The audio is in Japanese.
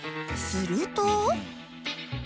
すると